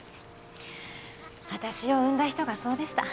私を産んだ人がそうでした。